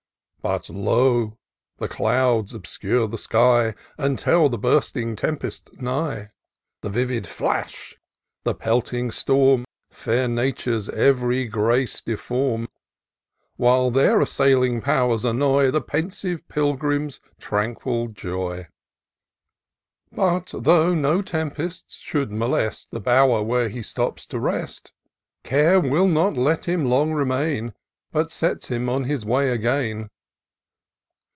But, lo ! the clouds obscure the sky, And tell the bursting tempest nigh ; The vivid flash, the pelting storm, Fair Nature's ev'ry grace deform ; While their assailing powers annoy The pensive pilgrim's tranquil joy ; But, though no tempests should molest The bower where he stops to rest, Care will not let him long remain. But sets him on his way^gain.